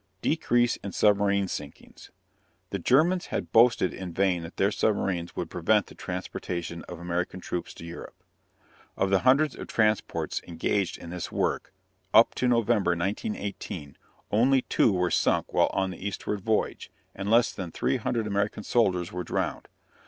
DECREASE IN SUBMARINE SINKINGS. The Germans had boasted in vain that their submarines would prevent the transportation of American troops to Europe. Of the hundreds of transports engaged in this work, up to November, 1918, only two were sunk while on the eastward voyage, and less than 300 American soldiers were drowned.